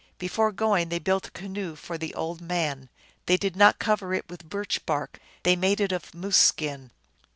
Before going they built a canoe for the old man : they did not cover it with birch bark ; they made it of moose skin.